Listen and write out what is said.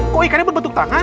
kok ikannya berbentuk tangan